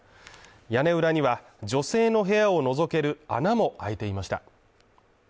屋根裏には、女性の部屋を覗ける穴も開いていました。